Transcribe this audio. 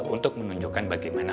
untuk menunjukkan bagaimana